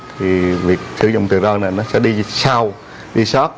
thì việc sử dụng tờ rơi này nó sẽ đi sau đi sát